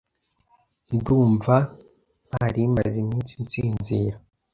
Ndumva ntari maze iminsi nsinzira.